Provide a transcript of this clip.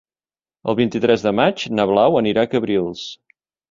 El vint-i-tres de maig na Blau anirà a Cabrils.